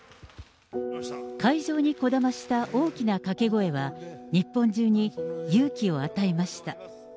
会場にこだました大きなかけ声は日本中に勇気を与えました。